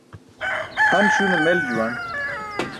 Han śune mel juwan.